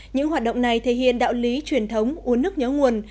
những hoạt động này thể hiện đạo lý truyền thống uống nước nhớ nguồn